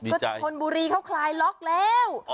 ก็ชนบุรีเขาคลายล็อกแล้ว